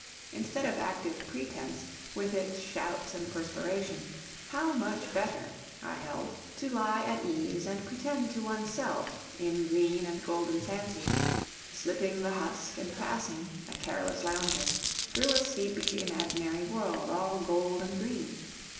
Instead of active "pretence" with its shouts and perspiration, how much better I held to lie at ease and pretend to one's self, in green and golden fancies, slipping the husk and passing, a careless lounger, through a sleepy imaginary world all gold and green!